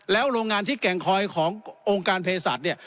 แล้วโรงงานที่แก่งคอยขององค์การเภสัตริย์